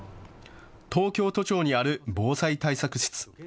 東京都庁にある防災対策室。